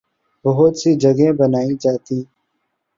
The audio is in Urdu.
بہت سی جگہیں بنائی جاتی